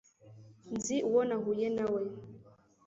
Nzi uwo nahuye nawe